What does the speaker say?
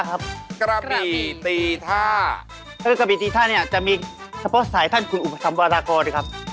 ก็จริงท่านเนี่ยจะมีเฉพาะสายท่านคุณอุปสรรคมรากรนะครับ